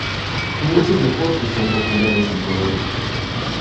Muchos deportes son populares en Polonia.